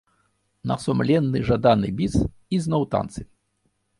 На сумленны жаданы біс, і зноў танцы.